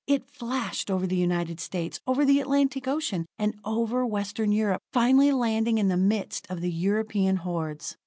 It flashed over the United States, over the Atlantic ocean, and over western Europe, finally landing in the midst of the European hordes.